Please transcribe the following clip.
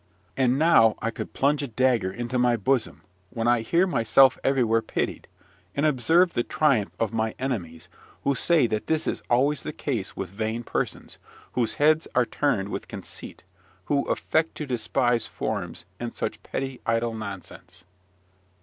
And now I could plunge a dagger into my bosom, when I hear myself everywhere pitied, and observe the triumph of my enemies, who say that this is always the case with vain persons, whose heads are turned with conceit, who affect to despise forms and such petty, idle nonsense.